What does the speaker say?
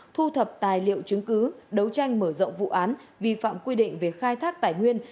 thu thập tài liệu chứng cứ đấu tranh mở rộng vụ án vi phạm quy định về khai thác tài nguyên